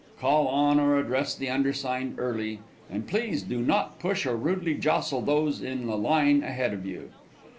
Call on or address the undersigned early, and please do not push or rudely jostle those in the line ahead of you.